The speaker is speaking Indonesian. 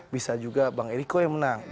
bisa juga bang eriko yang menang